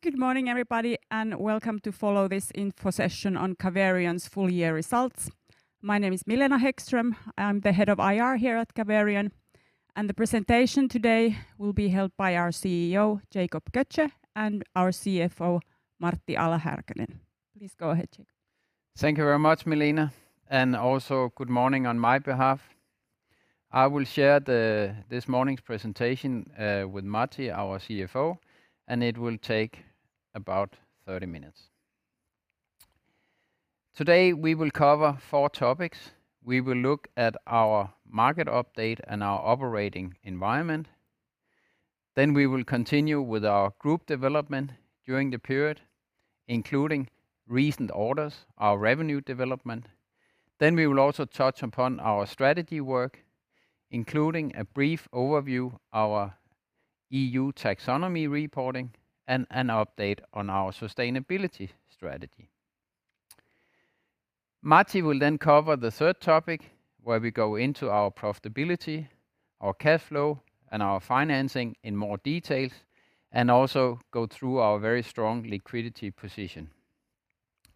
Good morning, everybody, and welcome to follow this info session on Caverion's full year results. My name is Milena Hæggström. I'm the Head of IR here at Caverion, and the presentation today will be held by our CEO, Jacob Götzsche, and our CFO, Martti Ala-Härkönen. Please go ahead, Jacob. Thank you very much, Milena, and also good morning on my behalf. I will share this morning's presentation with Martti, our CFO, and it will take about 30 minutes. Today, we will cover four topics. We will look at our market update and our operating environment. Then we will continue with our group development during the period, including recent orders, our revenue development. Then we will also touch upon our strategy work, including a brief overview, our EU Taxonomy reporting, and an update on our sustainability strategy. Martti will then cover the third topic, where we go into our profitability, our cash flow, and our financing in more details, and also go through our very strong liquidity position.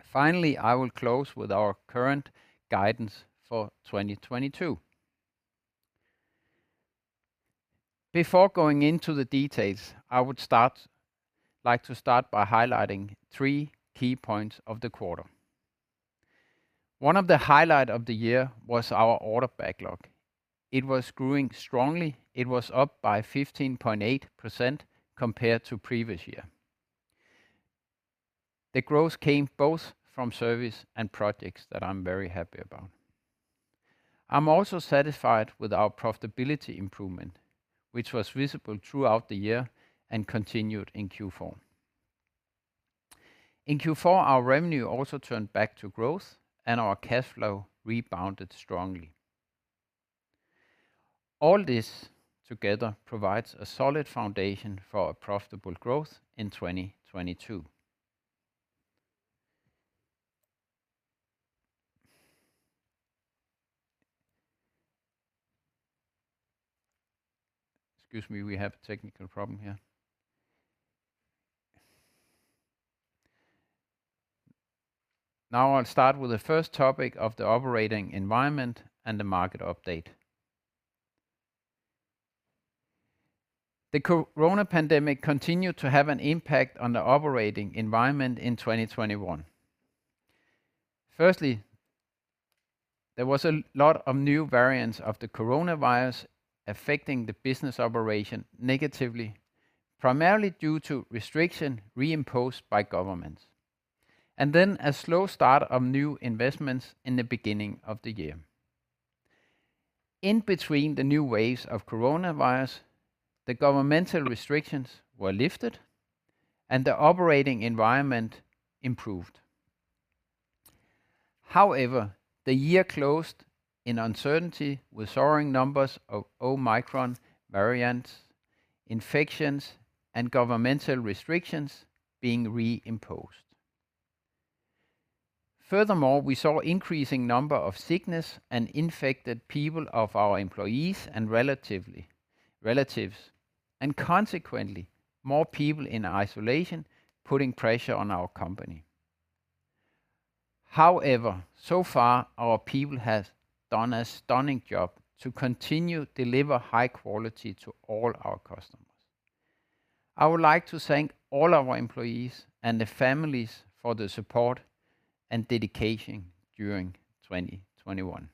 Finally, I will close with our current guidance for 2022. Before going into the details, I would like to start by highlighting three key points of the quarter. One of the highlight of the year was our order backlog. It was growing strongly. It was up by 15.8% compared to previous year. The growth came both from service and projects that I'm very happy about. I'm also satisfied with our profitability improvement, which was visible throughout the year and continued in Q4. In Q4, our revenue also turned back to growth, and our cash flow rebounded strongly. All this together provides a solid foundation for a profitable growth in 2022. Excuse me, we have a technical problem here. Now, I'll start with the first topic of the operating environment and the market update. The Corona pandemic continued to have an impact on the operating environment in 2021. Firstly, there was a lot of new variants of the coronavirus affecting the business operations negatively, primarily due to restrictions reimposed by governments, and then a slow start of new investments in the beginning of the year. In between the new waves of coronavirus, the governmental restrictions were lifted and the operating environment improved. However, the year closed in uncertainty with soaring numbers of Omicron variants, infections, and governmental restrictions being reimposed. Furthermore, we saw increasing number of sickness and infected people of our employees and their relatives, and consequently more people in isolation, putting pressure on our company. However, so far, our people have done a stunning job to continue to deliver high quality to all our customers. I would like to thank all our employees and the families for the support and dedication during 2021.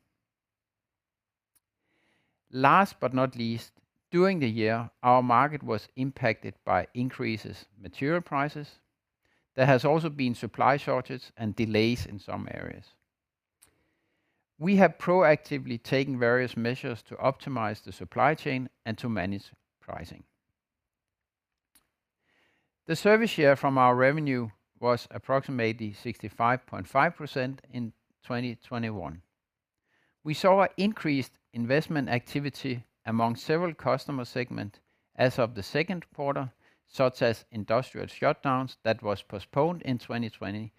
Last but not least, during the year, our market was impacted by increases in material prices. There has also been supply shortages and delays in some areas. We have proactively taken various measures to optimize the supply chain and to manage pricing. The service share from our revenue was approximately 65.5% in 2021. We saw increased investment activity among several customer segment as of the second quarter, such as industrial shutdowns that was postponed in 2020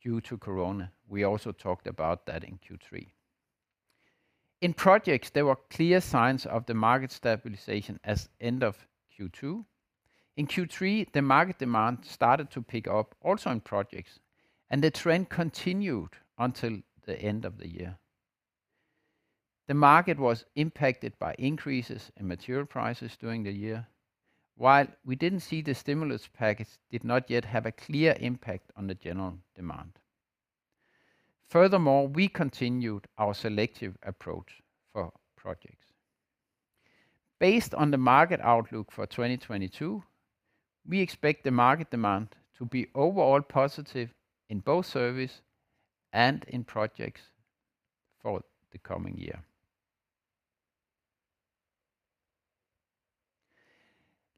due to Corona. We also talked about that in Q3. In projects, there were clear signs of the market stabilization as end of Q2. In Q3, the market demand started to pick up also on projects, and the trend continued until the end of the year. The market was impacted by increases in material prices during the year, while we didn't see the stimulus package did not yet have a clear impact on the general demand. Furthermore, we continued our selective approach for projects. Based on the market outlook for 2022, we expect the market demand to be overall positive in both service and in projects for the coming year.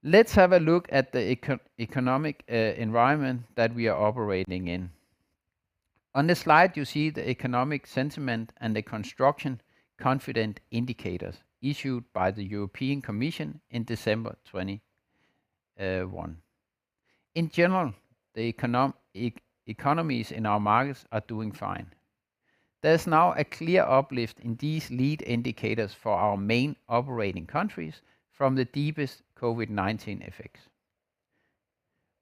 Let's have a look at the economic environment that we are operating in. On this slide, you see the economic sentiment and the construction confidence indicators issued by the European Commission in December 2021. In general, the economies in our markets are doing fine. There is now a clear uplift in these lead indicators for our main operating countries from the deepest COVID-19 effects.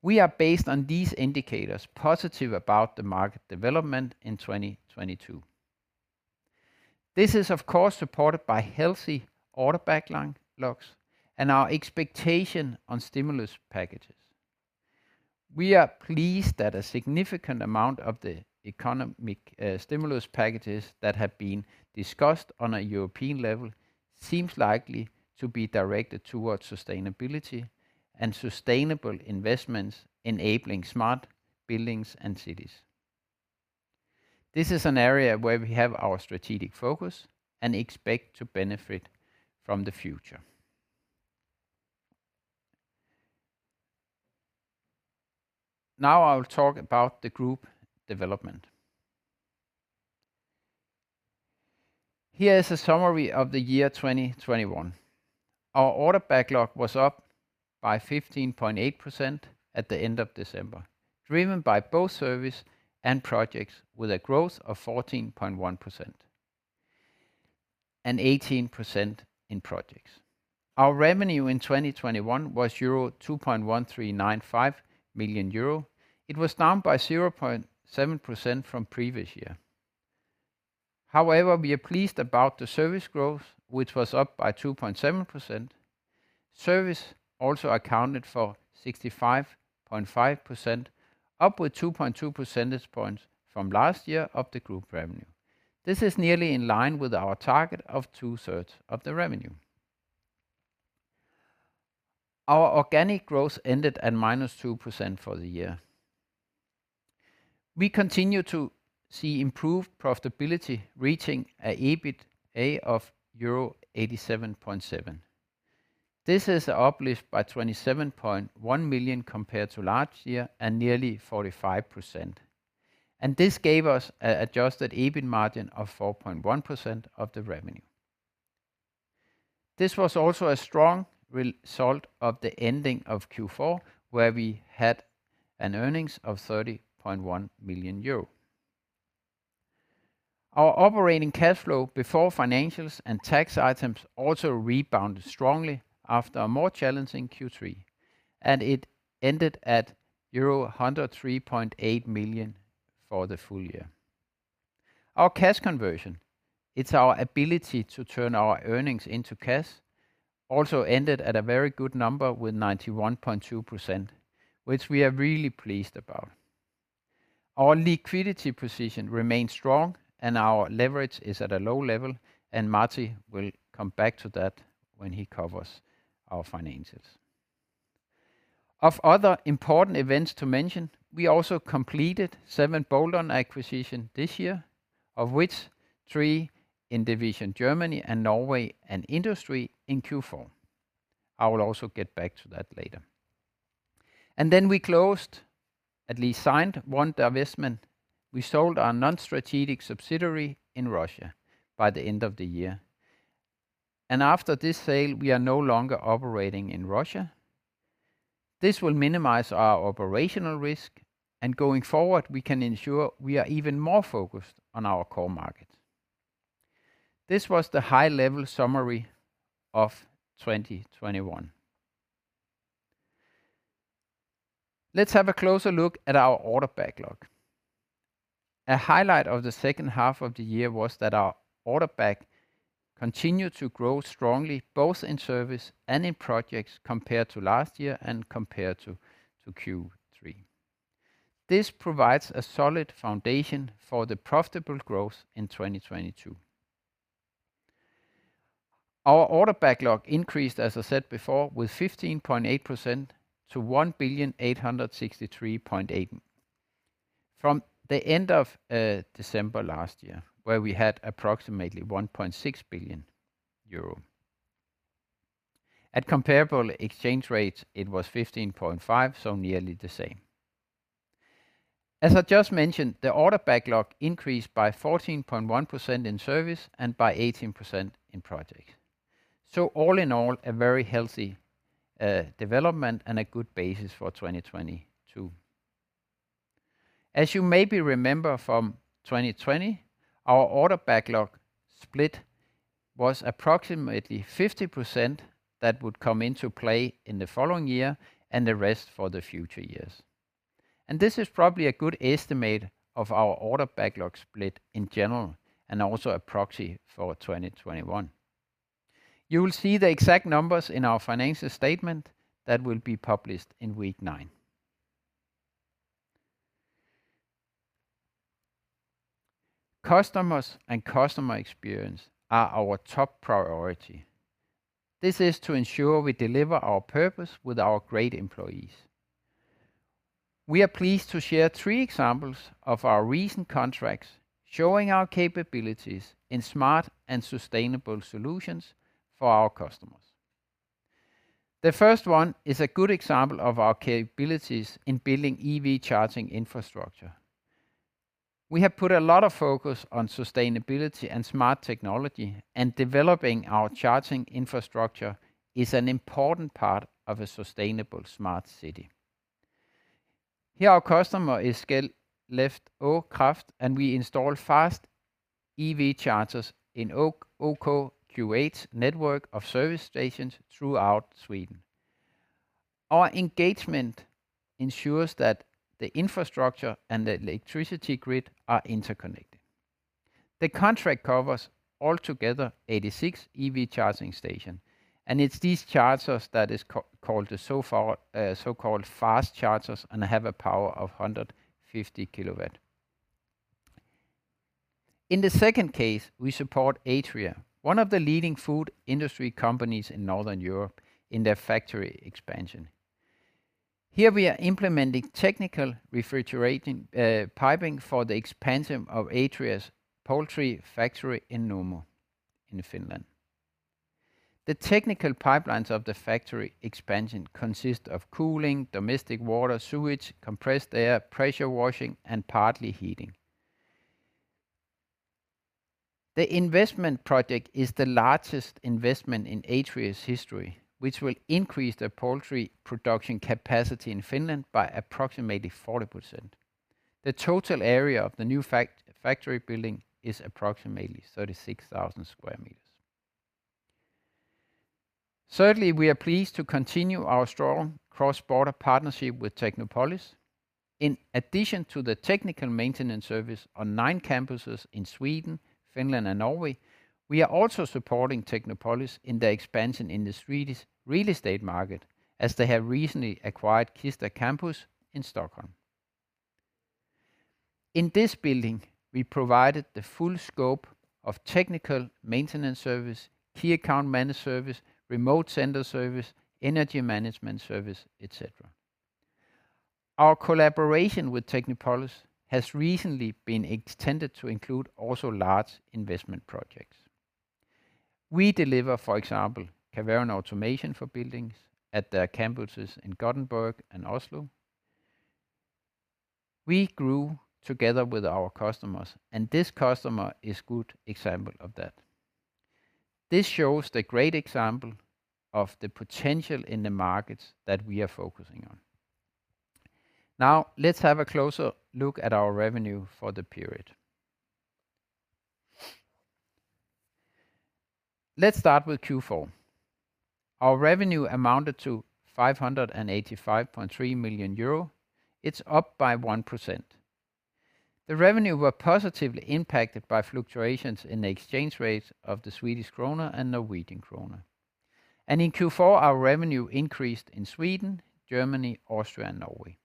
We are, based on these indicators, positive about the market development in 2022. This is, of course, supported by healthy order backlog and our expectation on stimulus packages. We are pleased that a significant amount of the economic stimulus packages that have been discussed on a European level seems likely to be directed towards sustainability and sustainable investments enabling smart buildings and cities. This is an area where we have our strategic focus and expect to benefit from the future. Now I will talk about the group development. Here is a summary of the year 2021. Our order backlog was up by 15.8% at the end of December, driven by both service and projects with a growth of 14.1% and 18% in projects. Our revenue in 2021 was 2.1395 million euro. It was down by 0.7% from previous year. However, we are pleased about the service growth, which was up by 2.7%. Service also accounted for 65.5%, up by 2.2 percentage points from last year of the group revenue. This is nearly in line with our target of two-thirds of the revenue. Our organic growth ended at -2% for the year. We continue to see improved profitability, reaching an EBITDA of euro 87.7 million. This is an uplift of 27.1 million compared to last year and nearly 45%. This gave us an adjusted EBIT margin of 4.1% of the revenue. This was also a strong result at the end of Q4, where we had earnings of 30.1 million euro. Our operating cash flow before financials and tax items also rebounded strongly after a more challenging Q3, and it ended at euro 103.8 million for the full year. Our cash conversion, it's our ability to turn our earnings into cash, also ended at a very good number with 91.2%, which we are really pleased about. Our liquidity position remains strong and our leverage is at a low level, and Martti will come back to that when he covers our financials. Of other important events to mention, we also completed seven bolt-on acquisitions this year, of which three in Division Germany and Norway and one in Q4. I will also get back to that later. We closed, at least signed, one divestment. We sold our non-strategic subsidiary in Russia by the end of the year. After this sale, we are no longer operating in Russia. This will minimize our operational risk, and going forward, we can ensure we are even more focused on our core market. This was the high-level summary of 2021. Let's have a closer look at our order backlog. A highlight of the second half of the year was that our order backlog continued to grow strongly, both in service and in projects compared to last year and compared to Q3. This provides a solid foundation for the profitable growth in 2022. Our order backlog increased, as I said before, with 15.8% to 1,863.8 from the end of December last year, where we had approximately 1.6 billion euro. At comparable exchange rates, it was 15.5%, so nearly the same. As I just mentioned, the order backlog increased by 14.1% in service and by 18% in projects. All in all, a very healthy development and a good basis for 2022. As you maybe remember from 2020, our order backlog split was approximately 50% that would come into play in the following year and the rest for the future years. This is probably a good estimate of our order backlog split in general, and also a proxy for 2021. You will see the exact numbers in our financial statement that will be published in week nine. Customers and customer experience are our top priority. This is to ensure we deliver our purpose with our great employees. We are pleased to share three examples of our recent contracts showing our capabilities in smart and sustainable solutions for our customers. The first one is a good example of our capabilities in building EV charging infrastructure. We have put a lot of focus on sustainability and smart technology, and developing our charging infrastructure is an important part of a sustainable smart city. Here our customer is Skellefteå Kraft, and we install fast EV chargers in OKQ8 network of service stations throughout Sweden. Our engagement ensures that the infrastructure and the electricity grid are interconnected. The contract covers altogether 86 EV charging stations, and it's these chargers that is called the so-called fast chargers and have a power of 150 kW. In the second case, we support Atria, one of the leading food industry companies in Northern Europe, in their factory expansion. Here we are implementing technical refrigerating piping for the expansion of Atria's poultry factory in Nurmo in Finland. The technical pipelines of the factory expansion consist of cooling, domestic water, sewage, compressed air, pressure washing, and partly heating. The investment project is the largest investment in Atria's history, which will increase the poultry production capacity in Finland by approximately 40%. The total area of the new factory building is approximately 36,000 sq m. Certainly, we are pleased to continue our strong cross-border partnership with Technopolis. In addition to the technical maintenance service on nine campuses in Sweden, Finland and Norway, we are also supporting Technopolis in their expansion in the Swedish real estate market as they have recently acquired Kista Campus in Stockholm. In this building, we provided the full scope of technical maintenance service, key account managed service, remote center service, energy management service, et cetera. Our collaboration with Technopolis has recently been extended to include also large investment projects. We deliver, for example, Caverion automation for buildings at their campuses in Gothenburg and Oslo. We grew together with our customers, and this customer is good example of that. This shows the great example of the potential in the markets that we are focusing on. Now let's have a closer look at our revenue for the period. Let's start with Q4. Our revenue amounted to 585.3 million euro. It's up by 1%. The revenue were positively impacted by fluctuations in the exchange rates of the Swedish krona and Norwegian krona. In Q4, our revenue increased in Sweden, Germany, Austria and Norway.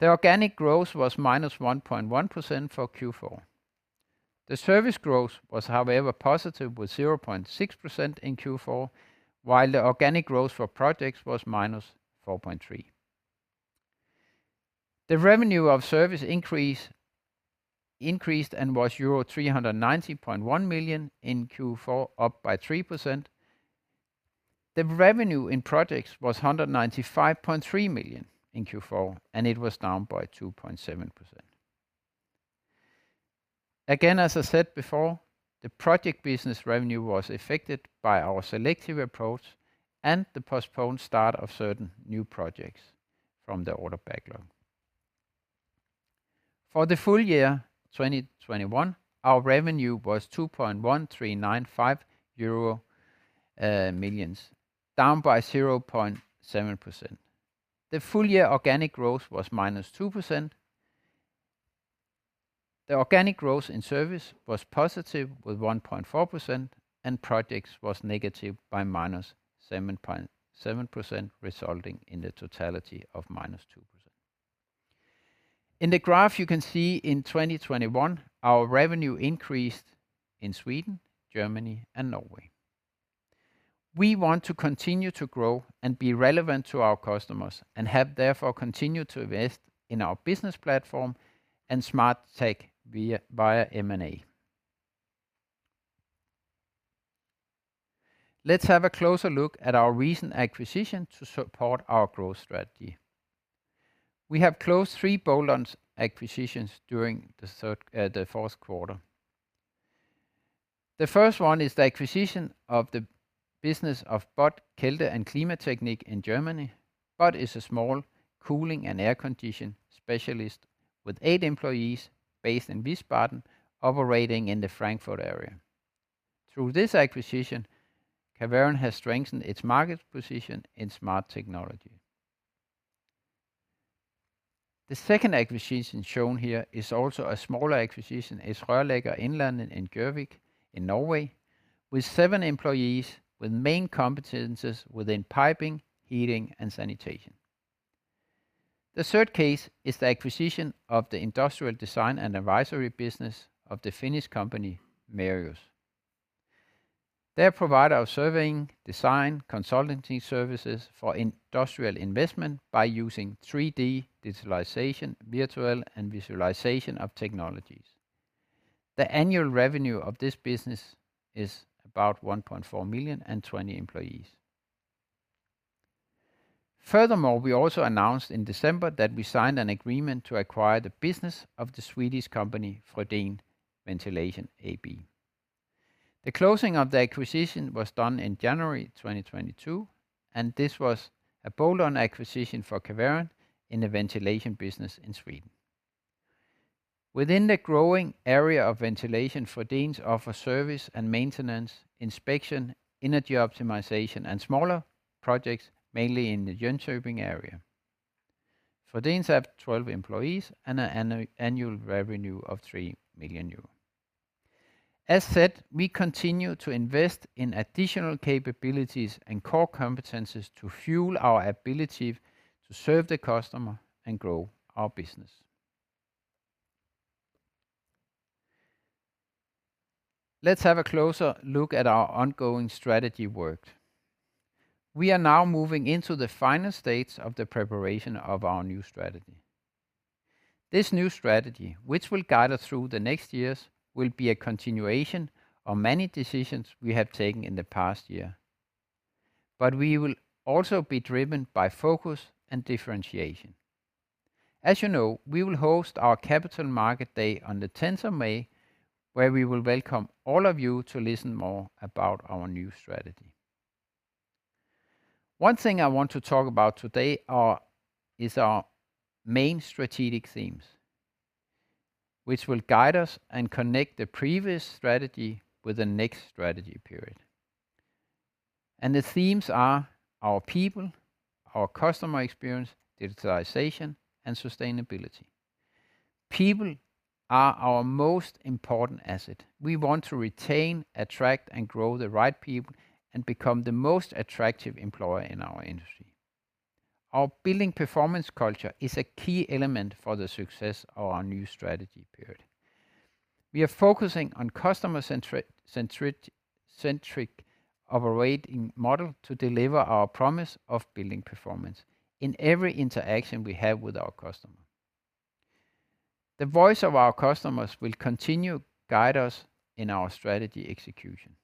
The organic growth was -1.1% for Q4. The service growth was however positive with 0.6% in Q4, while the organic growth for projects was -4.3%. The revenue of service increased and was euro 390.1 million in Q4, up by 3%. The revenue in projects was 195.3 million in Q4, and it was down by 2.7%. Again, as I said before, the project business revenue was affected by our selective approach and the postponed start of certain new projects from the order backlog. For the full year 2021, our revenue was 2,139.5 million euro, down by 0.7%. The full year organic growth was -2%. The organic growth in service was positive with 1.4% and projects was negative by -7.7%, resulting in the total of -2%. In the graph you can see in 2021, our revenue increased in Sweden, Germany and Norway. We want to continue to grow and be relevant to our customers and have therefore continued to invest in our business platform and smart tech via M&A. Let's have a closer look at our recent acquisition to support our growth strategy. We have closed three bolt-ons acquisitions during the fourth quarter. The first one is the acquisition of the business of Bott Kälte- und Klimatechnik in Germany. Bott is a small cooling and air conditioning specialist with eight employees based in Wiesbaden, operating in the Frankfurt area. Through this acquisition, Caverion has strengthened its market position in smart technology. The second acquisition shown here is also a smaller acquisition, Rørlegger'n Innlandet in Gjøvik in Norway with seven employees with main competencies within piping, heating and sanitation. The third case is the acquisition of the industrial design and advisory business of the Finnish company Merius Oy. They provide surveying, design, consulting services for industrial investment by using 3D digitalization, virtual and visualization technologies. The annual revenue of this business is about 1.4 million and 20 employees. Furthermore, we also announced in December that we signed an agreement to acquire the business of the Swedish company Frödéns Ventilation AB. The closing of the acquisition was done in January 2022, and this was a bolt-on acquisition for Caverion in the ventilation business in Sweden. Within the growing area of ventilation, Frödéns offer service and maintenance, inspection, energy optimization, and smaller projects, mainly in the Jönköping area. Frödéns have 12 employees and an annual revenue of 3 million euro. As said, we continue to invest in additional capabilities and core competencies to fuel our ability to serve the customer and grow our business. Let's have a closer look at our ongoing strategy work. We are now moving into the final stages of the preparation of our new strategy. This new strategy, which will guide us through the next years, will be a continuation of many decisions we have taken in the past year. We will also be driven by focus and differentiation. As you know, we will host our Capital Markets Day on the 10th of May, where we will welcome all of you to learn more about our new strategy. One thing I want to talk about today is our main strategic themes, which will guide us and connect the previous strategy with the next strategy period. The themes are our people, our customer experience, digitalization, and sustainability. People are our most important asset. We want to retain, attract, and grow the right people and become the most attractive employer in our industry. Our building performance culture is a key element for the success of our new strategy. We are focusing on customer-centric operating model to deliver our promise of building performance in every interaction we have with our customer. The voice of our customers will continue to guide us in our strategy execution.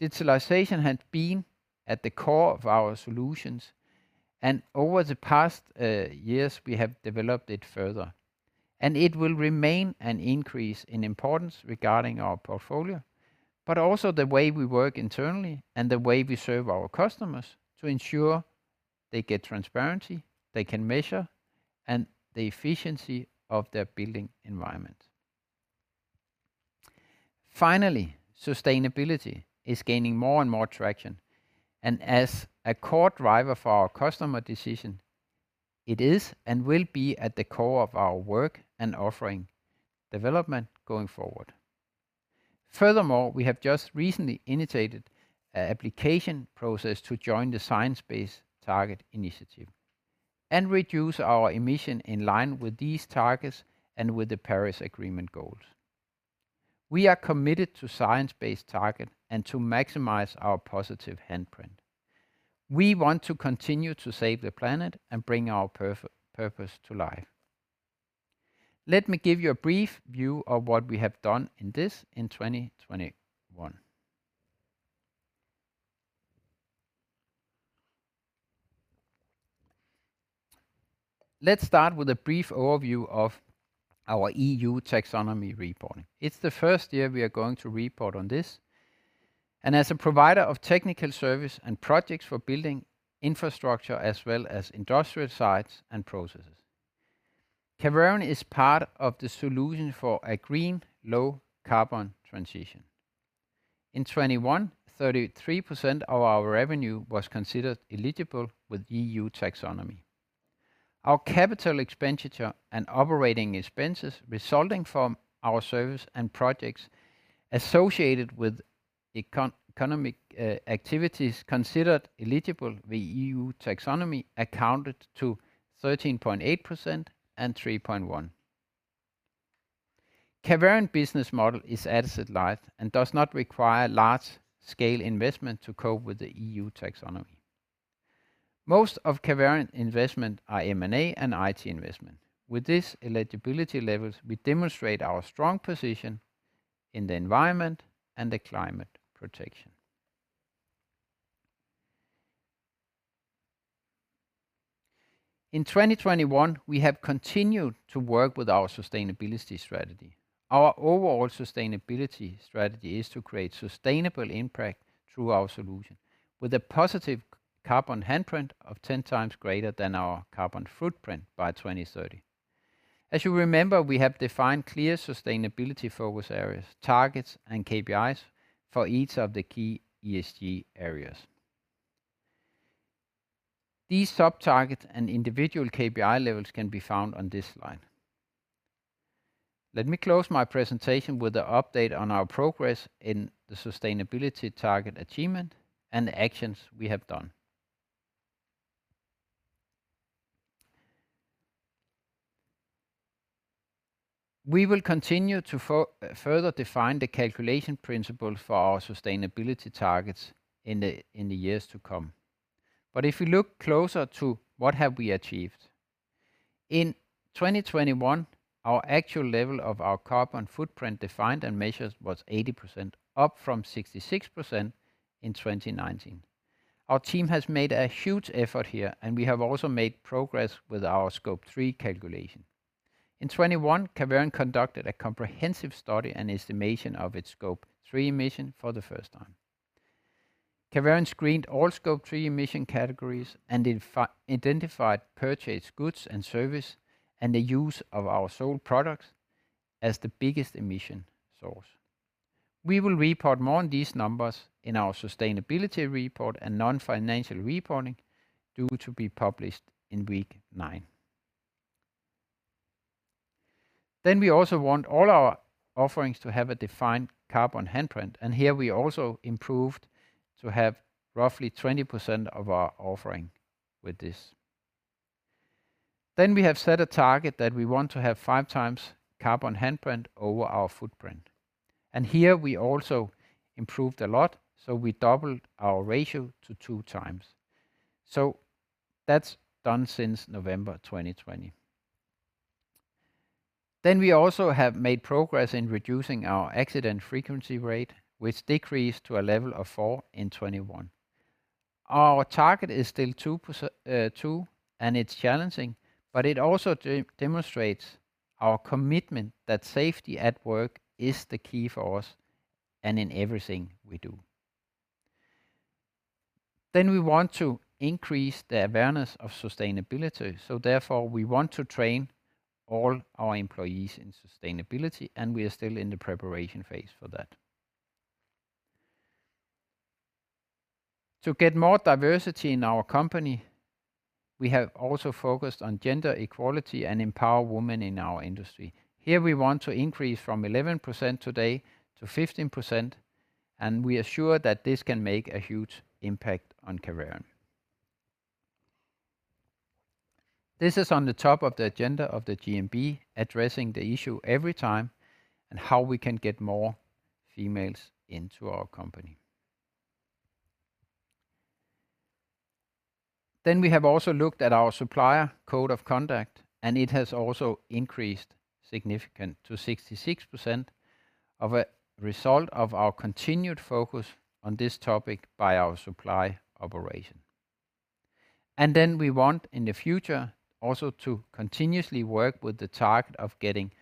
Digitalization had been at the core of our solutions, and over the past years, we have developed it further, and it will remain of increasing importance regarding our portfolio, but also the way we work internally and the way we serve our customers to ensure they get transparency, they can measure, and the efficiency of their building environment. Finally, sustainability is gaining more and more traction, and as a core driver for our customer decision, it is and will be at the core of our work and offering development going forward. Furthermore, we have just recently initiated a application process to join the Science Based Targets initiative and reduce our emission in line with these targets and with the Paris Agreement goals. We are committed to Science Based Targets and to maximize our positive handprint. We want to continue to save the planet and bring our purpose to life. Let me give you a brief view of what we have done in this in 2021. Let's start with a brief overview of our EU Taxonomy reporting. It's the first year we are going to report on this. As a provider of technical service and projects for building infrastructure as well as industrial sites and processes, Caverion is part of the solution for a green low carbon transition. In 2021, 33% of our revenue was considered eligible with EU Taxonomy. Our capital expenditure and operating expenses resulting from our service and projects associated with economic activities considered eligible the EU Taxonomy accounted to 13.8% and 3.1%. Caverion business model is asset-light and does not require large-scale investment to cope with the EU Taxonomy. Most of Caverion investment are M&A and IT investment. With this eligibility levels, we demonstrate our strong position in the environment and the climate protection. In 2021, we have continued to work with our sustainability strategy. Our overall sustainability strategy is to create sustainable impact through our solution, with a positive carbon handprint of 10 times greater than our carbon footprint by 2030. As you remember, we have defined clear sustainability focus areas, targets, and KPIs for each of the key ESG areas. These sub-targets and individual KPI levels can be found on this slide. Let me close my presentation with an update on our progress in the sustainability target achievement and the actions we have done. We will continue to further define the calculation principle for our sustainability targets in the years to come. If you look closer to what have we achieved, in 2021, our actual level of our carbon footprint defined and measured was 80%, up from 66% in 2019. Our team has made a huge effort here, and we have also made progress with our Scope 3 calculation. In 2021, Caverion conducted a comprehensive study and estimation of its Scope 3 emissions for the first time. Caverion screened all Scope 3 emission categories and identified purchased goods and services, and the use of our sold products as the biggest emission source. We will report more on these numbers in our sustainability report and non-financial reporting due to be published in week nine. We also want all our offerings to have a defined carbon handprint, and here we also improved to have roughly 20% of our offering with this. We have set a target that we want to have 5 times carbon handprint over our footprint. Here we also improved a lot, so we doubled our ratio to 2 times. That's done since November 2020. We also have made progress in reducing our accident frequency rate, which decreased to a level of four in 2021. Our target is still two, and it's challenging, but it also demonstrates our commitment that safety at work is the key for us and in everything we do. We want to increase the awareness of sustainability, so therefore we want to train all our employees in sustainability, and we are still in the preparation phase for that. To get more diversity in our company, we have also focused on gender equality and empower women in our industry. Here we want to increase from 11% today to 15%, and we are sure that this can make a huge impact on Caverion. This is at the top of the agenda of the GMB addressing the issue every time and how we can get more females into our company. We have also looked at our supplier code of conduct, and it has also increased significantly to 66% as a result of our continued focus on this topic by our supply operation. We want in the future also to continuously work with the target of getting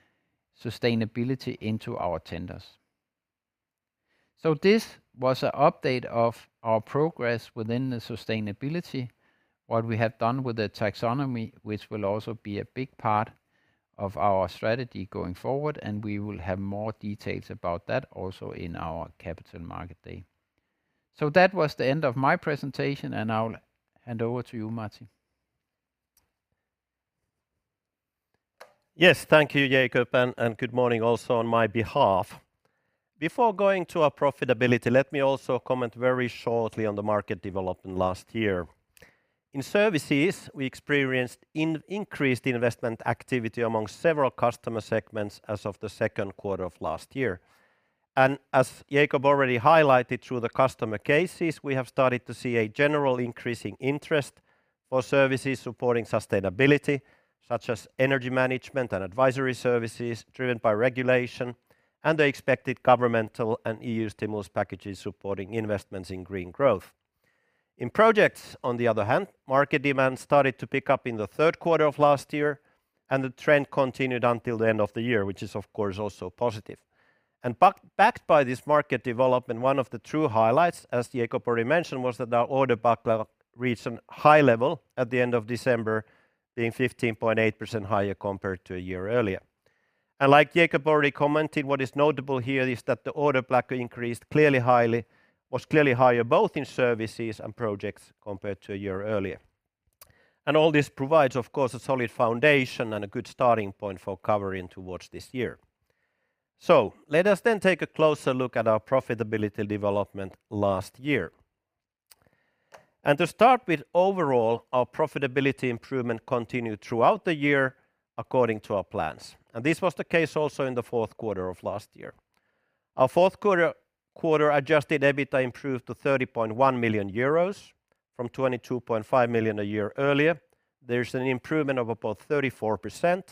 sustainability into our tenders. This was an update of our progress within the sustainability, what we have done with the taxonomy, which will also be a big part of our strategy going forward, and we will have more details about that also in our Capital Markets Day. That was the end of my presentation, and I'll hand over to you, Martti. Yes. Thank you, Jacob, and good morning also on my behalf. Before going to our profitability, let me also comment very shortly on the market development last year. In services, we experienced increased investment activity among several customer segments as of the second quarter of last year. As Jacob already highlighted through the customer cases, we have started to see a general increasing interest for services supporting sustainability, such as energy management and advisory services driven by regulation and the expected governmental and EU stimulus packages supporting investments in green growth. In projects, on the other hand, market demand started to pick up in the third quarter of last year, and the trend continued until the end of the year, which is of course also positive. Backed by this market development, one of the true highlights, as Jacob already mentioned, was that our order backlog reached a high level at the end of December, being 15.8% higher compared to a year earlier. Like Jacob already commented, what is notable here is that the order backlog was clearly higher both in services and projects compared to a year earlier. All this provides, of course, a solid foundation and a good starting point for Caverion towards this year. Let us then take a closer look at our profitability development last year. To start with overall, our profitability improvement continued throughout the year according to our plans. This was the case also in the fourth quarter of last year. Our fourth quarter adjusted EBITDA improved to 30.1 million euros from 22.5 million a year earlier. There's an improvement of about 34%,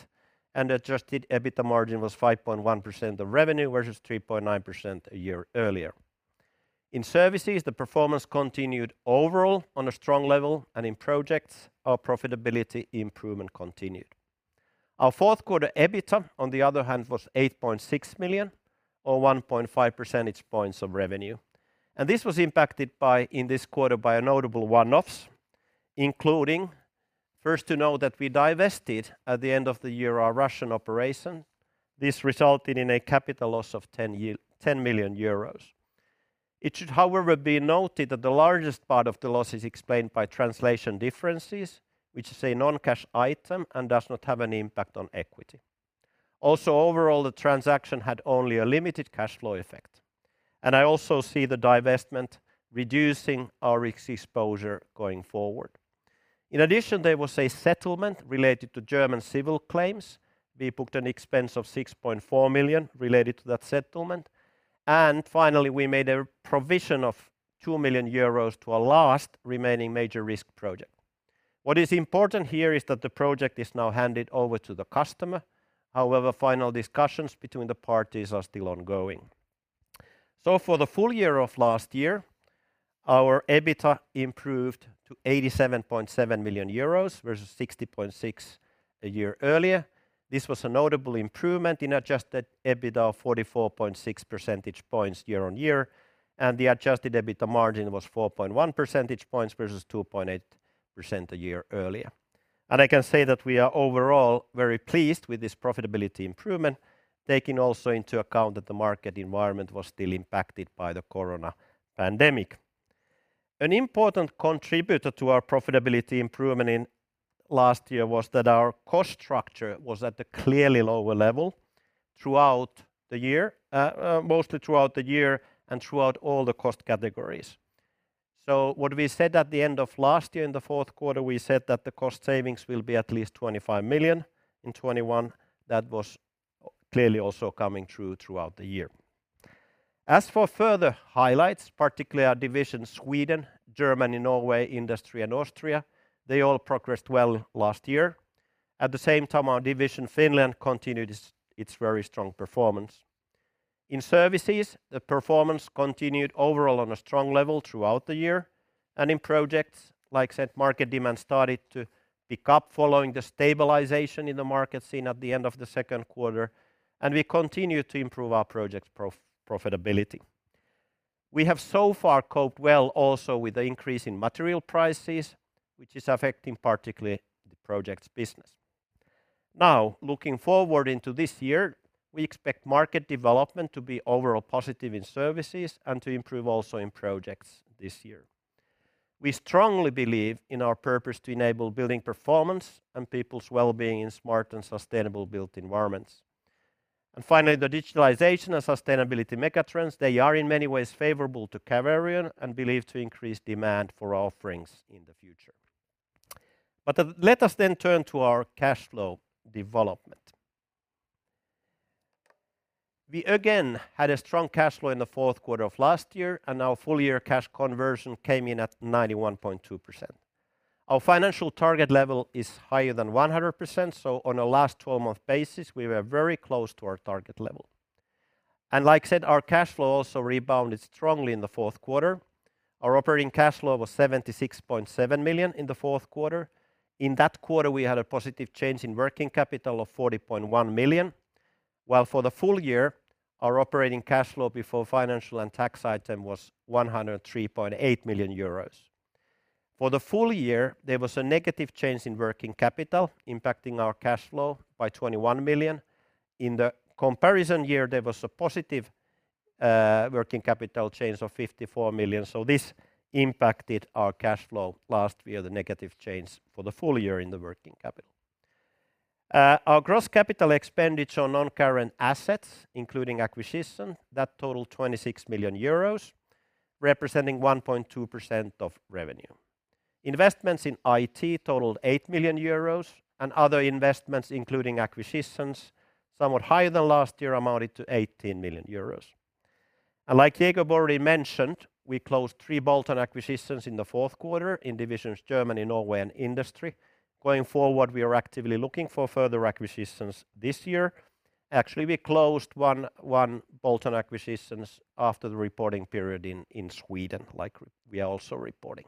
and adjusted EBITDA margin was 5.1% of revenue versus 3.9% a year earlier. In services, the performance continued overall on a strong level. In projects, our profitability improvement continued. Our fourth quarter EBITDA, on the other hand, was 8.6 million or 1.5 percentage points of revenue. This was impacted by, in this quarter, a notable one-offs, including first to note that we divested at the end of the year our Russian operation. This resulted in a capital loss of 10 million euros. It should, however, be noted that the largest part of the loss is explained by translation differences, which is a non-cash item and does not have any impact on equity. Also, overall, the transaction had only a limited cash flow effect. I also see the divestment reducing our risk exposure going forward. In addition, there was a settlement related to German civil claims. We booked an expense of 6.4 million related to that settlement. Finally, we made a provision of 2 million euros to a last remaining major risk project. What is important here is that the project is now handed over to the customer. However, final discussions between the parties are still ongoing. For the full year of last year, our EBITDA improved to 87.7 million euros versus 60.6 a year earlier. This was a notable improvement in adjusted EBITDA of 44.6 percentage points year-on-year, and the adjusted EBITDA margin was 4.1 percentage points versus 2.8% a year earlier. I can say that we are overall very pleased with this profitability improvement, taking also into account that the market environment was still impacted by the corona pandemic. An important contributor to our profitability improvement in last year was that our cost structure was at a clearly lower level throughout the year, mostly throughout the year and throughout all the cost categories. What we said at the end of last year in the fourth quarter, we said that the cost savings will be at least 25 million in 2021. That was clearly also coming through throughout the year. As for further highlights, particularly our division Sweden, Germany, Norway, Industry and Austria, they all progressed well last year. At the same time, our division Finland continued its very strong performance. In services, the performance continued overall on a strong level throughout the year, and in projects, as said, market demand started to pick up following the stabilization in the market seen at the end of the second quarter, and we continue to improve our project profitability. We have so far coped well also with the increase in material prices, which is affecting particularly the projects business. Now, looking forward into this year, we expect market development to be overall positive in services and to improve also in projects this year. We strongly believe in our purpose to enable building performance and people's well-being in smart and sustainable built environments. Finally, the digitalization and sustainability megatrends, they are in many ways favorable to Caverion and believed to increase demand for our offerings in the future. Let us then turn to our cash flow development. We again had a strong cash flow in the fourth quarter of last year, and our full year cash conversion came in at 91.2%. Our financial target level is higher than 100%, so on a last 12-month basis, we were very close to our target level. Like I said, our cash flow also rebounded strongly in the fourth quarter. Our operating cash flow was 76.7 million in the fourth quarter. In that quarter, we had a positive change in working capital of 40.1 million, while for the full year our operating cash flow before financial and tax item was 103.8 million euros. For the full year, there was a negative change in working capital impacting our cash flow by 21 million. In the comparison year, there was a positive working capital change of 54 million. This impacted our cash flow last year, the negative change for the full year in the working capital. Our gross capital expenditure on non-current assets, including acquisition, that totaled 26 million euros, representing 1.2% of revenue. Investments in IT totaled 8 million euros and other investments, including acquisitions somewhat higher than last year, amounted to 18 million euros. Like Jacob already mentioned, we closed three bolt-on acquisitions in the fourth quarter in divisions Germany, Norway and Industry. Going forward, we are actively looking for further acquisitions this year. Actually, we closed one bolt-on acquisition after the reporting period in Sweden, like we are also reporting.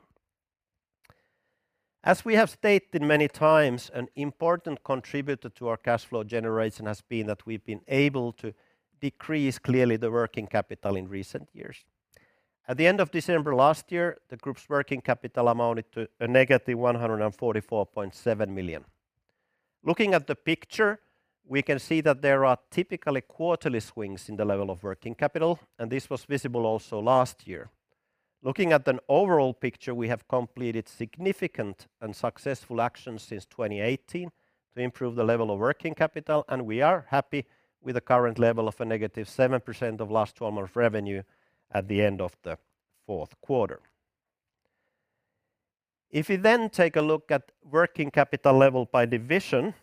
As we have stated many times, an important contributor to our cash flow generation has been that we've been able to decrease clearly the working capital in recent years. At the end of December last year, the group's working capital amounted to a negative 144.7 million. Looking at the picture, we can see that there are typically quarterly swings in the level of working capital, and this was visible also last year. Looking at an overall picture, we have completed significant and successful actions since 2018 to improve the level of working capital, and we are happy with the current level of -7% of last 12 months revenue at the end of the fourth quarter. If we then take a look at working capital level by division,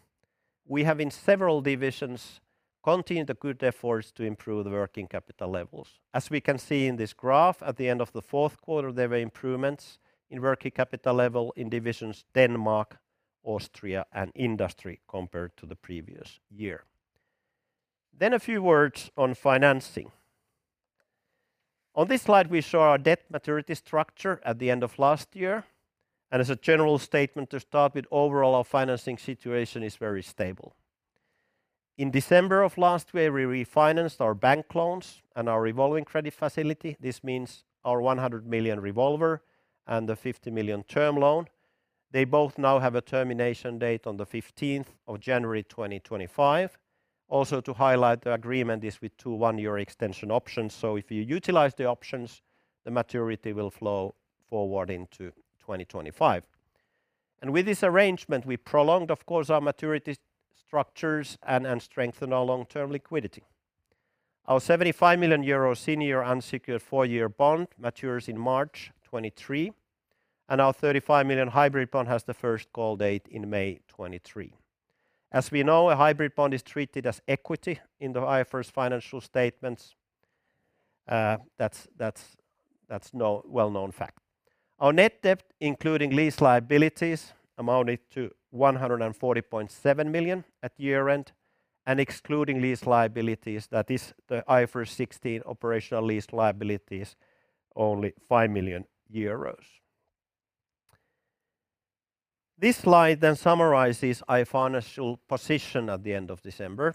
we have in several divisions continued the good efforts to improve the working capital levels. As we can see in this graph, at the end of the fourth quarter, there were improvements in working capital level in divisions Denmark, Austria and Industry compared to the previous year. A few words on financing. On this slide we saw our debt maturity structure at the end of last year and as a general statement to start with, overall our financing situation is very stable. In December of last year, we refinanced our bank loans and our revolving credit facility. This means our 100 million revolver and the 50 million term loan, they both now have a termination date on the 15th of January 2025. Also to highlight the agreement is with two one-year extension options. If you utilize the options, the maturity will flow forward into 2025. With this arrangement, we prolonged of course our maturity structures and strengthened our long-term liquidity. Our 75 million euro senior unsecured four-year bond matures in March 2023, and our 35 million hybrid bond has the first call date in May 2023. As we know, a hybrid bond is treated as equity in the IFRS financial statements. That's a well-known fact. Our net debt, including lease liabilities, amounted to 140.7 million at year-end. Excluding lease liabilities, that is the IFRS 16 operating lease liabilities, only EUR 5 million. This slide then summarizes our financial position at the end of December.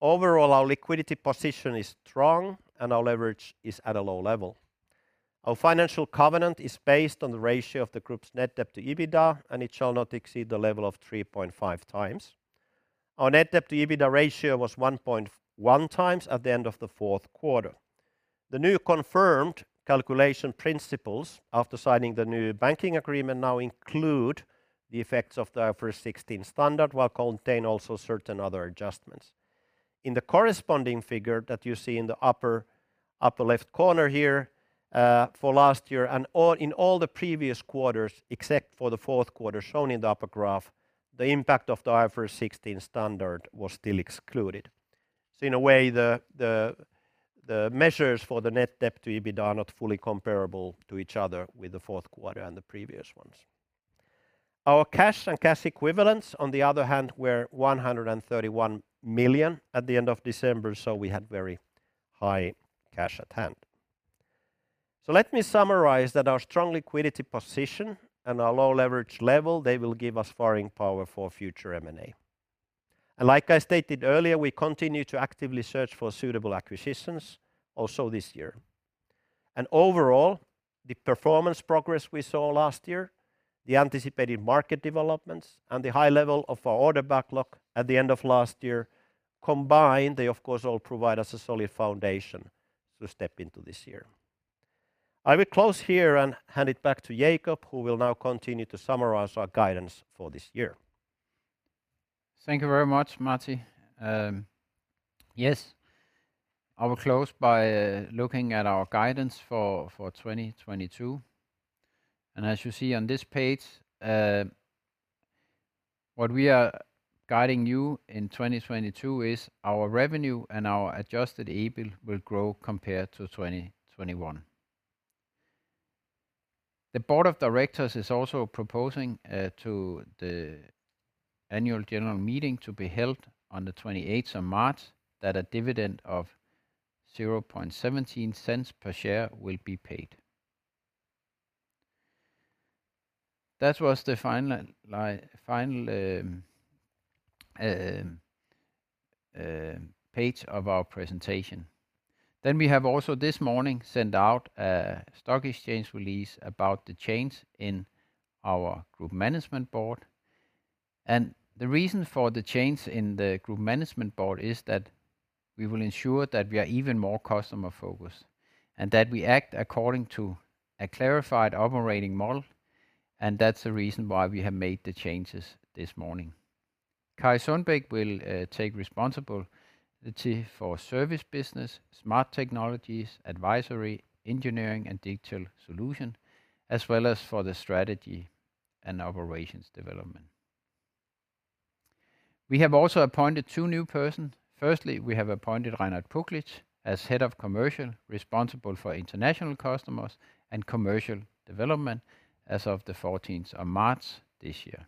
Overall, our liquidity position is strong, and our leverage is at a low level. Our financial covenant is based on the ratio of the group's net debt to EBITDA, and it shall not exceed the level of 3.5 times. Our net debt to EBITDA ratio was 1.1 times at the end of the fourth quarter. The new confirmed calculation principles after signing the new banking agreement now include the effects of the IFRS 16 standard, which contain also certain other adjustments. In the corresponding figure that you see in the upper left corner here for last year and all. In all the previous quarters, except for the fourth quarter shown in the upper graph, the impact of the IFRS 16 standard was still excluded. In a way, the measures for the net debt to EBITDA are not fully comparable to each other with the fourth quarter and the previous ones. Our cash and cash equivalents, on the other hand, were 131 million at the end of December, so we had very high cash at hand. Let me summarize that our strong liquidity position and our low leverage level, they will give us firepower for future M&A. Like I stated earlier, we continue to actively search for suitable acquisitions also this year. Overall, the performance progress we saw last year, the anticipated market developments, and the high level of our order backlog at the end of last year, combined, they of course all provide us a solid foundation to step into this year. I will close here and hand it back to Jacob, who will now continue to summarize our guidance for this year. Thank you very much, Martti. I will close by looking at our guidance for 2022. As you see on this page, what we are guiding you in 2022 is our revenue and our adjusted EBIT will grow compared to 2021. The board of directors is also proposing to the annual general meeting to be held on the twenty-eighth of March that a dividend of 0.17 EUR per share will be paid. That was the final page of our presentation. We have also this morning sent out a stock exchange release about the change in our group management board. The reason for the change in the Group Management Board is that we will ensure that we are even more customer-focused and that we act according to a clarified operating model, and that's the reason why we have made the changes this morning. Kari Sundbäck will take responsibility for service business, smart technologies, advisory, engineering, and digital solution, as well as for the strategy and operations development. We have also appointed two new person. Firstly, we have appointed Reinhard Poglitsch as Head of Commercial, responsible for international customers and commercial development as of the fourteenth of March this year.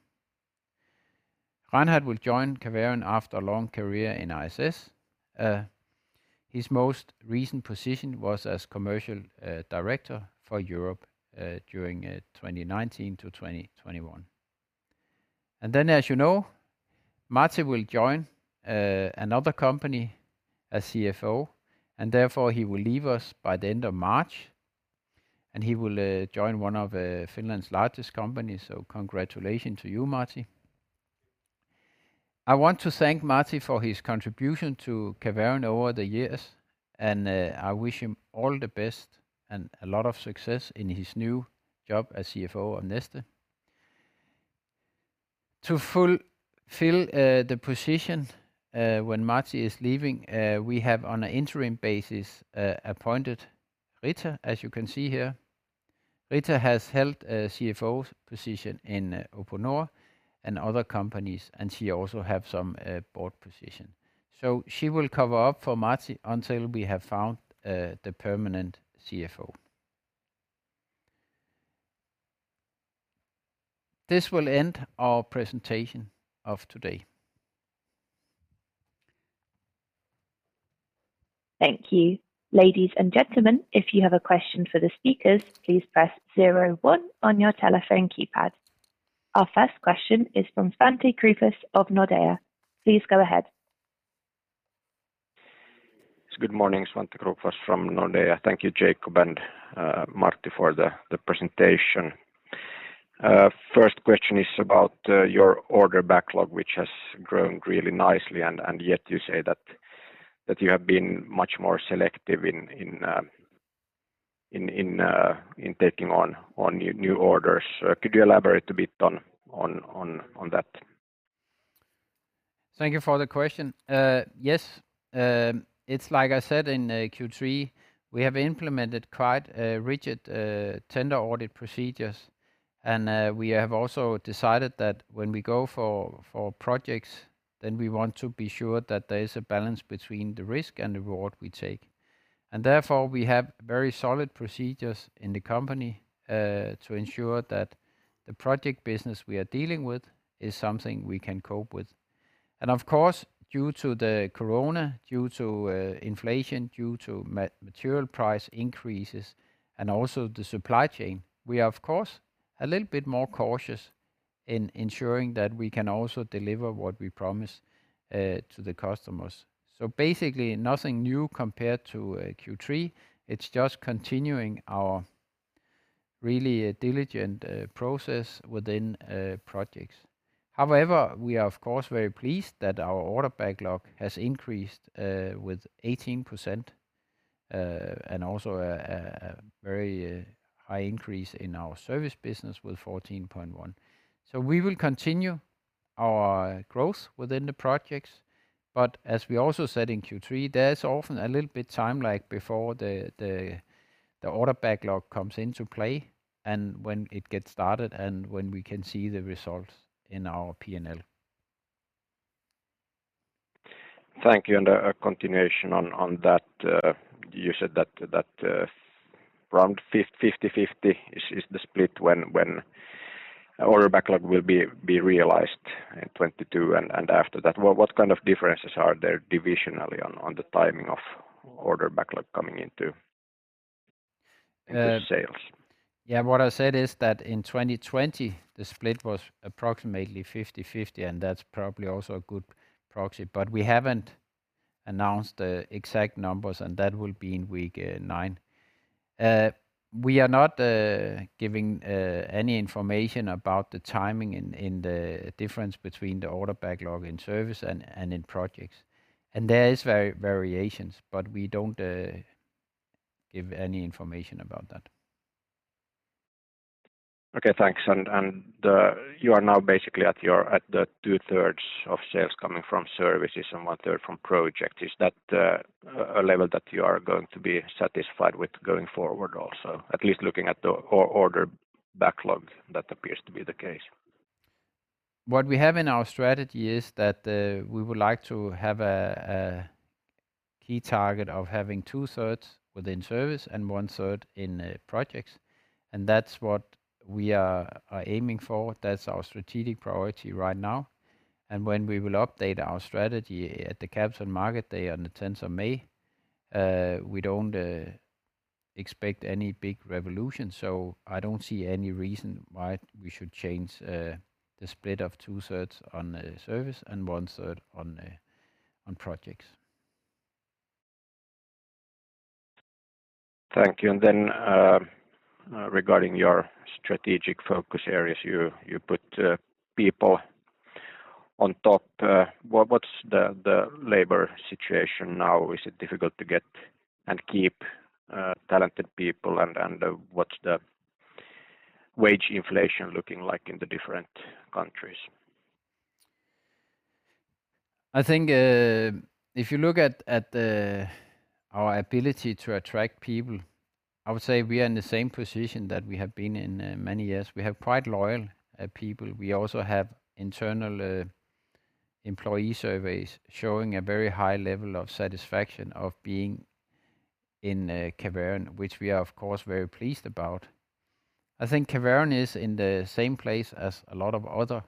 Reinhard will join Caverion after a long career in ISS. His most recent position was as commercial director for Europe during 2019 to 2021. As you know, Martti will join another company as CFO, and therefore he will leave us by the end of March, and he will join one of Finland's largest companies. Congratulations to you, Martti. I want to thank Martti for his contribution to Caverion over the years, and I wish him all the best and a lot of success in his new job as CFO of Neste. To fulfill the position when Martti is leaving, we have on an interim basis appointed Riitta, as you can see here. Riitta has held a CFO position in Uponor and other companies, and she also have some board position. She will cover up for Martti until we have found the permanent CFO. This will end our presentation of today. Thank you. Ladies and gentlemen, if you have a question for the speakers, please press zero one on your telephone keypad. Our first question is from Svante Krokfors of Nordea. Please go ahead. Good morning. Svante Krokfors from Nordea. Thank you, Jacob and Martti, for the presentation. First question is about your order backlog, which has grown really nicely and yet you say that you have been much more selective in taking on new orders. Could you elaborate a bit on that? Thank you for the question. Yes, it's like I said in Q3, we have implemented quite a rigid tender audit procedures. We have also decided that when we go for projects, then we want to be sure that there is a balance between the risk and the reward we take. Therefore, we have very solid procedures in the company to ensure that the project business we are dealing with is something we can cope with. Of course, due to the corona, due to inflation, due to material price increases and also the supply chain, we are of course a little bit more cautious in ensuring that we can also deliver what we promise to the customers. Basically nothing new compared to Q3. It's just continuing our really diligent process within projects. However, we are of course very pleased that our order backlog has increased with 18%, and also a very high increase in our service business with 14.1%. We will continue our growth within the projects, but as we also said in Q3, there's often a little bit time like before the order backlog comes into play and when it gets started and when we can see the results in our P&L. Thank you. A continuation on that. You said that around 50-50 is the split when order backlog will be realized in 2022 and after that. What kind of differences are there divisionally on the timing of order backlog coming into sales? Yeah. What I said is that in 2020, the split was approximately 50-50, and that's probably also a good proxy. We haven't announced the exact numbers, and that will be in week nine. We are not giving any information about the timing in the difference between the order backlog in service and in projects. There are variations, but we don't give any information about that. Okay, thanks. You are now basically at the two-thirds of sales coming from Services and one-third from Projects. Is that a level that you are going to be satisfied with going forward also? At least looking at the order backlog, that appears to be the case. What we have in our strategy is that we would like to have a key target of having two-thirds within Services and one-third in Projects, and that's what we are aiming for. That's our strategic priority right now. When we will update our strategy at the Capital Markets Day on the 10th of May, we don't expect any big revolution. I don't see any reason why we should change the split of two-thirds on the Services and one-third on Projects. Thank you. Regarding your strategic focus areas, you put people on top. What's the labor situation now? Is it difficult to get and keep talented people? What's the wage inflation looking like in the different countries? I think, if you look at our ability to attract people, I would say we are in the same position that we have been in many years. We have quite loyal people. We also have internal employee surveys showing a very high level of satisfaction of being in Caverion, which we are of course very pleased about. I think Caverion is in the same place as a lot of other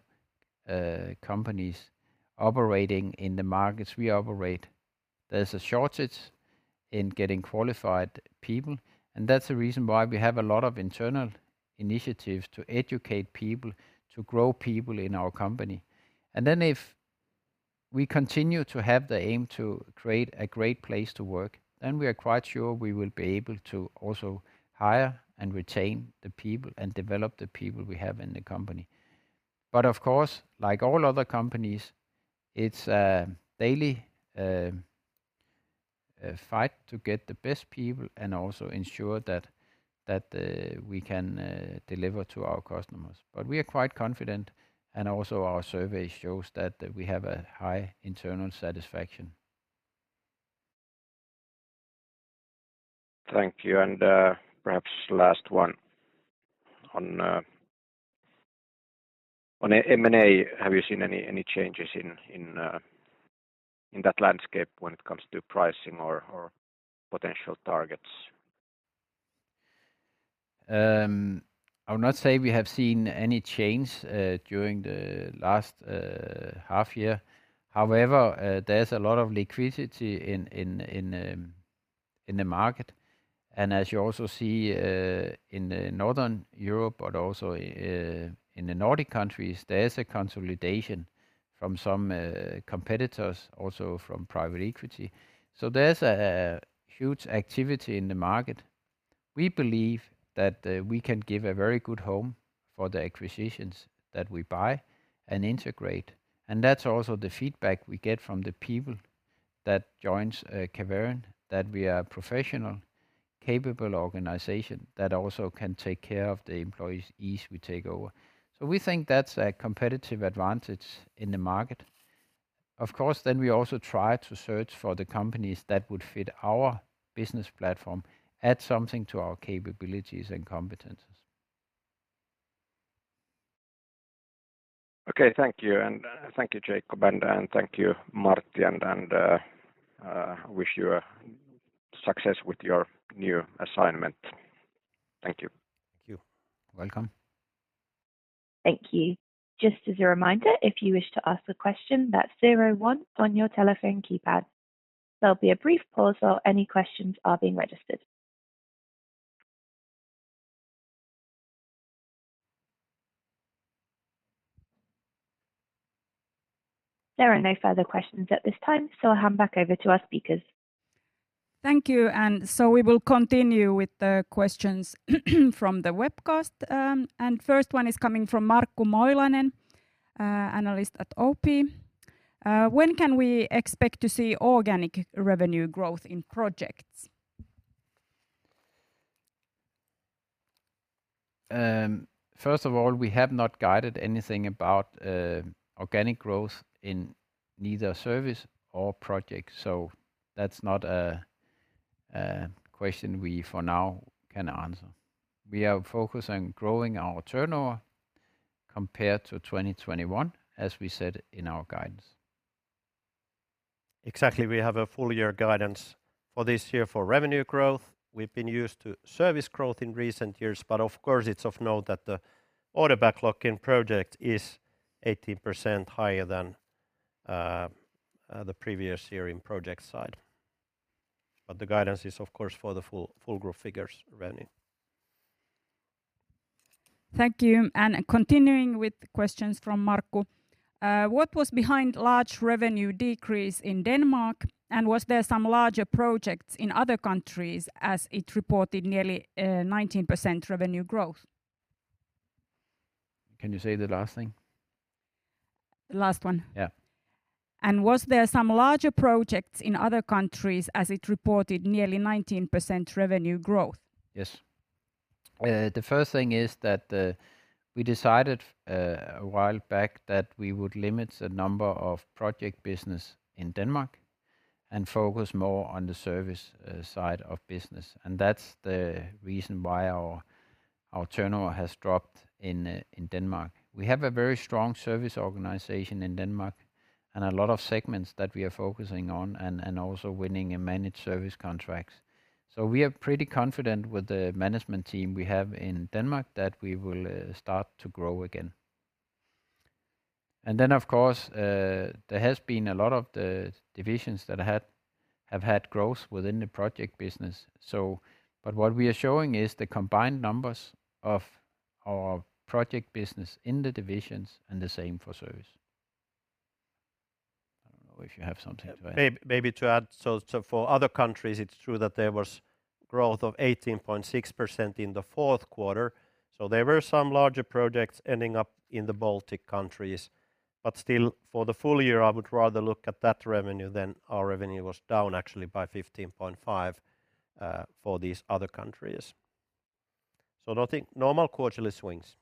companies operating in the markets we operate. There's a shortage in getting qualified people, and that's the reason why we have a lot of internal initiatives to educate people, to grow people in our company. If we continue to have the aim to create a great place to work, then we are quite sure we will be able to also hire and retain the people and develop the people we have in the company. Of course, like all other companies, it's a daily fight to get the best people and also ensure that we can deliver to our customers. We are quite confident, and also our survey shows that we have a high internal satisfaction. Thank you. Perhaps last one on M&A. Have you seen any changes in that landscape when it comes to pricing or potential targets? I would not say we have seen any change during the last half year. However, there's a lot of liquidity in the market. As you also see in Northern Europe but also in the Nordic countries, there's a consolidation from some competitors, also from private equity. There's a huge activity in the market. We believe that we can give a very good home for the acquisitions that we buy and integrate, and that's also the feedback we get from the people that joins Caverion, that we are a professional, capable organization that also can take care of the employees we take over. We think that's a competitive advantage in the market. Of course, then we also try to search for the companies that would fit our business platform, add something to our capabilities and competencies. Okay. Thank you. Thank you, Jacob, and wish you success with your new assignment. Thank you. Thank you. Welcome. Thank you. Just as a reminder, if you wish to ask a question, that's zero one on your telephone keypad. There'll be a brief pause while any questions are being registered. There are no further questions at this time, so I'll hand back over to our speakers. Thank you. We will continue with the questions from the webcast. First one is coming from Markku Moilanen, analyst at OP. When can we expect to see organic revenue growth in projects? First of all, we have not guided anything about organic growth in neither service or projects, so that's not a question we for now can answer. We are focused on growing our turnover compared to 2021, as we said in our guidance. Exactly. We have a full year guidance for this year for revenue growth. We've been used to service growth in recent years, but of course it's of note that the order backlog in project is 18% higher than the previous year in project side. The guidance is of course for the full group figures revenue. Thank you. Continuing with questions from Markku. What was behind large revenue decrease in Denmark, and was there some larger projects in other countries as it reported nearly 19% revenue growth? Can you say the last thing? The last one? Yeah. Was there some larger projects in other countries as it reported nearly 19% revenue growth? Yes. The first thing is that we decided a while back that we would limit the number of project business in Denmark and focus more on the service side of business, and that's the reason why our turnover has dropped in Denmark. We have a very strong service organization in Denmark and a lot of segments that we are focusing on and also winning in managed service contracts. We are pretty confident with the management team we have in Denmark that we will start to grow again. Then, of course, there has been a lot of the divisions that have had growth within the project business, so what we are showing is the combined numbers of our project business in the divisions and the same for service. I don't know if you have something to add. Maybe to add, for other countries, it's true that there was growth of 18.6% in the fourth quarter, there were some larger projects ending up in the Baltic countries. For the full year, I would rather look at that revenue than our revenue was down actually by 15.5% for these other countries. Nothing. Normal quarterly swings.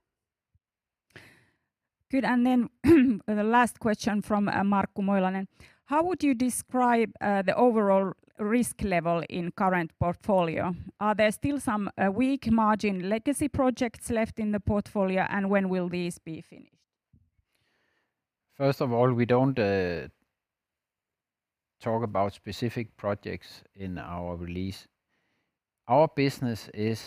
Good. The last question from Markku Moilanen. How would you describe the overall risk level in current portfolio? Are there still some weak margin legacy projects left in the portfolio, and when will these be finished? First of all, we don't talk about specific projects in our release. Our business is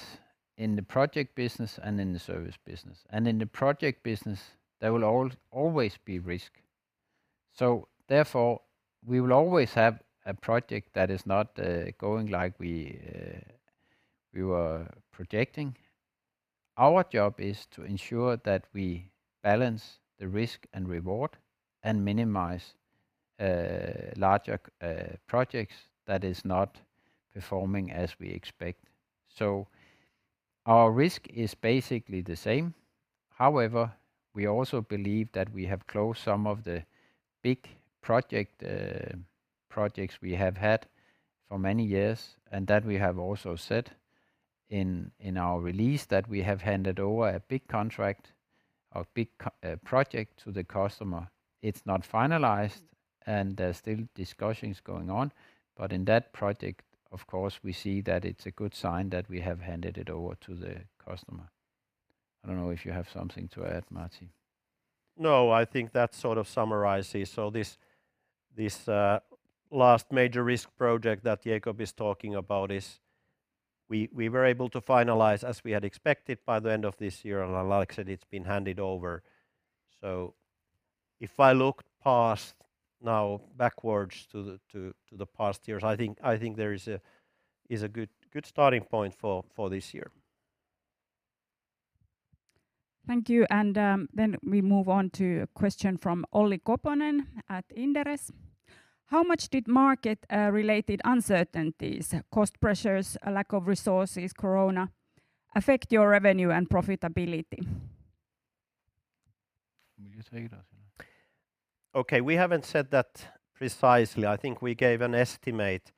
in the project business and in the service business, and in the project business, there will always be risk. Therefore, we will always have a project that is not going like we were projecting. Our job is to ensure that we balance the risk and reward and minimize larger projects that is not performing as we expect. Our risk is basically the same. However, we also believe that we have closed some of the big projects we have had for many years, and that we have also said in our release that we have handed over a big contract, a big project to the customer. It's not finalized, and there's still discussions going on. In that project, of course, we see that it's a good sign that we have handed it over to the customer. I don't know if you have something to add, Martti. No, I think that sort of summarizes. This last major risk project that Jacob is talking about is we were able to finalize as we had expected by the end of this year. Like I said, it's been handed over, so if I look past now backwards to the past years, I think there is a good starting point for this year. Thank you. Then we move on to a question from Olli Koponen at Inderes. How much did market related uncertainties, cost pressures, a lack of resources, corona affect your revenue and profitability? Will you say it or shall I? Okay. We haven't said that precisely. I think we gave an estimate.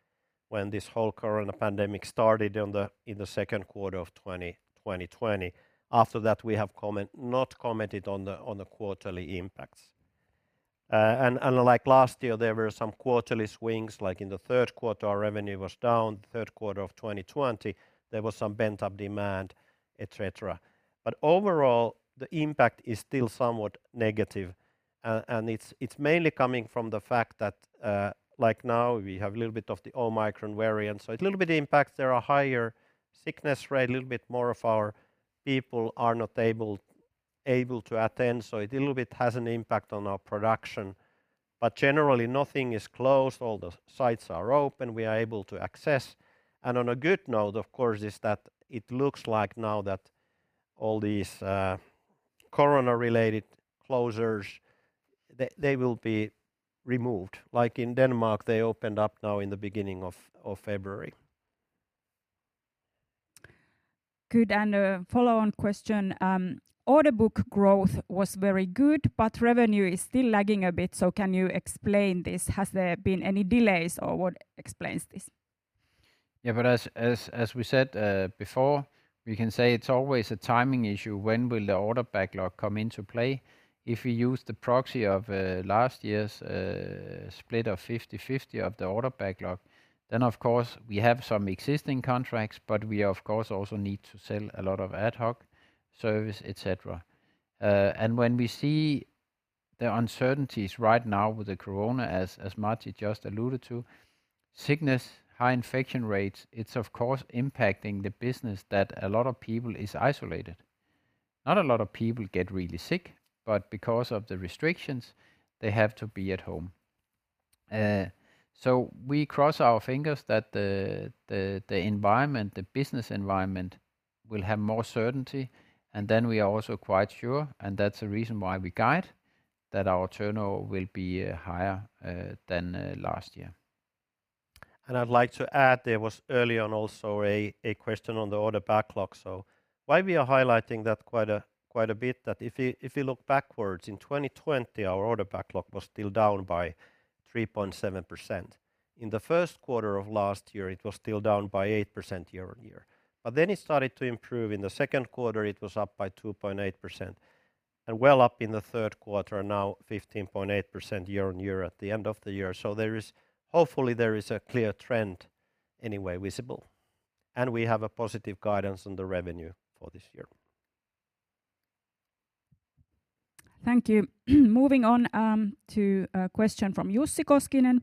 When this whole corona pandemic started in the second quarter of 2020. After that, we have not commented on the quarterly impacts. Like last year, there were some quarterly swings, like in the third quarter, our revenue was down. The third quarter of 2020, there was some pent-up demand, et cetera. Overall, the impact is still somewhat negative, and it's mainly coming from the fact that, like now we have a little bit of the Omicron variant, so it a little bit impacts. There are higher sickness rate, a little bit more of our people are not able to attend, so it a little bit has an impact on our production. Generally, nothing is closed. All the sites are open, we are able to access. On a good note, of course, is that it looks like now that all these corona-related closures, they will be removed. Like in Denmark, they opened up now in the beginning of February. Good. A follow-on question, order book growth was very good, but revenue is still lagging a bit, so can you explain this? Has there been any delays, or what explains this? Yeah, as we said before, we can say it's always a timing issue when will the order backlog come into play. If we use the proxy of last year's split of 50-50 of the order backlog, then of course we have some existing contracts, but we of course also need to sell a lot of ad hoc service, etcetera. When we see the uncertainties right now with the corona, as Martti just alluded to, sickness, high infection rates, it's of course impacting the business that a lot of people is isolated. Not a lot of people get really sick, but because of the restrictions, they have to be at home. We cross our fingers that the environment, the business environment will have more certainty, and then we are also quite sure, and that's the reason why we guide that our turnover will be higher than last year. I'd like to add, there was early on also a question on the order backlog. Why we are highlighting that quite a bit that if you look backwards, in 2020, our order backlog was still down by 3.7%. In the first quarter of last year, it was still down by 8% year-on-year. Then it started to improve. In the second quarter, it was up by 2.8%, and well up in the third quarter, now 15.8% year-on-year at the end of the year. There is hopefully a clear trend anyway visible, and we have a positive guidance on the revenue for this year. Thank you. Moving on to a question from Jussi Koskinen.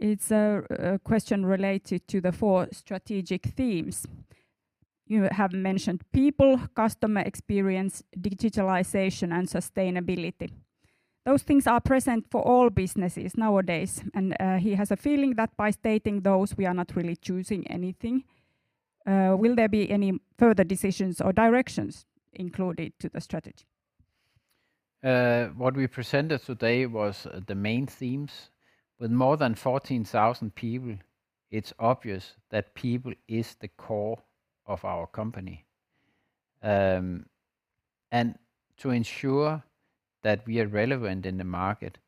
It's a question related to the four strategic themes. You have mentioned people, customer experience, digitalization, and sustainability. Those things are present for all businesses nowadays, and he has a feeling that by stating those, we are not really choosing anything. Will there be any further decisions or directions included to the strategy? What we presented today was the main themes. With more than 14,000 people, it's obvious that people is the core of our company. To ensure that we are relevant in the market,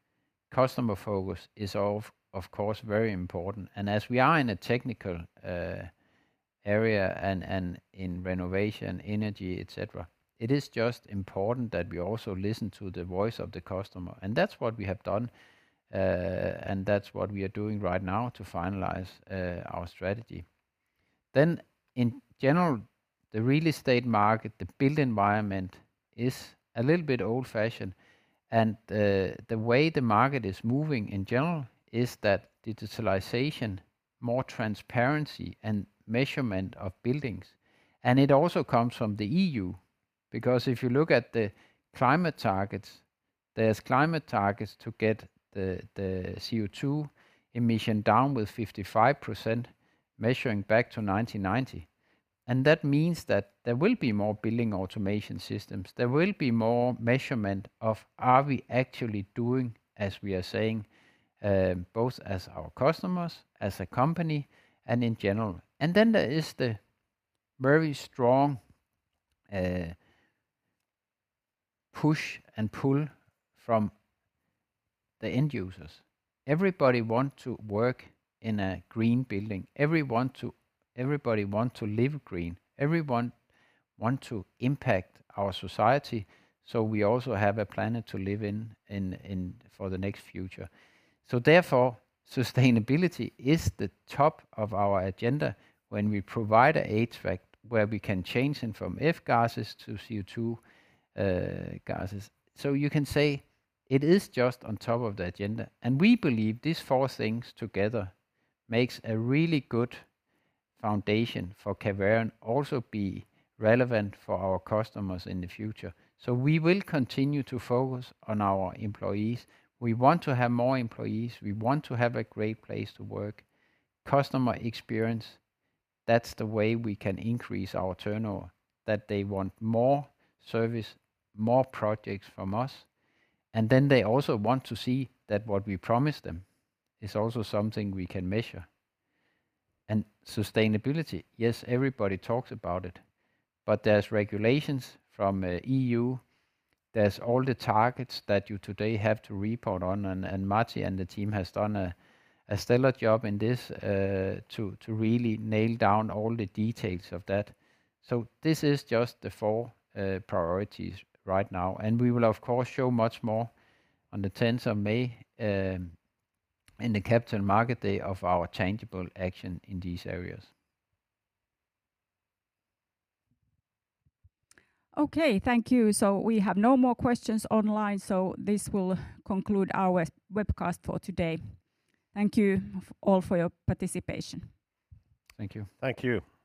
customer focus is of course very important. As we are in a technical area and in renovation, energy, et cetera, it is just important that we also listen to the voice of the customer, and that's what we have done, and that's what we are doing right now to finalize our strategy. In general, the real estate market, the built environment is a little bit old-fashioned, and the way the market is moving in general is that digitalization, more transparency, and measurement of buildings. It also comes from the EU, because if you look at the climate targets, there's climate targets to get the CO2 emission down with 55%, measuring back to 1990, and that means that there will be more building automation systems. There will be more measurement of are we actually doing as we are saying, both as our customers, as a company, and in general. There is the very strong push and pull from the end users. Everybody want to work in a green building. Everybody want to live green. Everyone want to impact our society, so we also have a planet to live in, for the next future. Sustainability is the top of our agenda when we provide a HVAC where we can change it from F-gases to CO2 gases. You can say it is just on top of the agenda. We believe these four things together makes a really good foundation for Caverion also be relevant for our customers in the future. We will continue to focus on our employees. We want to have more employees. We want to have a great place to work. Customer experience, that's the way we can increase our turnover, that they want more service, more projects from us. Then they also want to see that what we promise them is also something we can measure. Sustainability, yes, everybody talks about it, but there's regulations from EU. There's all the targets that you today have to report on, and Martti and the team has done a stellar job in this to really nail down all the details of that. This is just the four priorities right now, and we will of course show much more on the 10th of May, in the Capital Markets Day of our tangible action in these areas. Okay, thank you. We have no more questions online, so this will conclude our webcast for today. Thank you all for your participation. Thank you. Thank you.